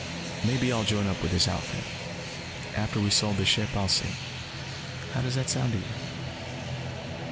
"Maybe I'll join up with this outfit. After we've sold the ship I'll see. How does that sound to you?"